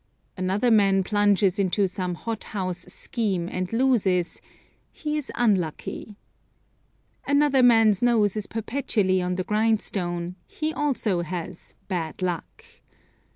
Another man plunges into some hot house scheme and loses: "He is unlucky." Another man's nose is perpetually on the grind stone; he also has "bad luck."